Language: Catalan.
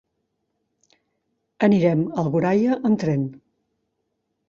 Anirem a Alboraia amb tren.